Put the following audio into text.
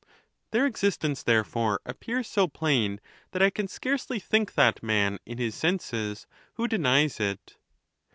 Their existence, therefore, appears so plain that I can .scarcely think that man in his senses who denies it.